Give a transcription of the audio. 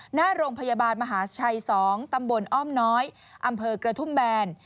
หน้าโรงพยาบาลมหาชัย๒ตำบลอ้อมน้อยอำเภอกระทุ่มแบน